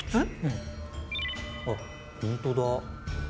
あっ本当だ。